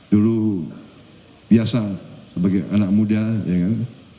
dulu biasa sebagai anak muda ya kan